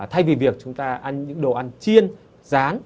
thay vì việc chúng ta ăn những đồ ăn chiên rán